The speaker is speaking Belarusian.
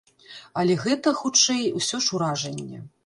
Але гэта, хутчэй, усё ж уражанне.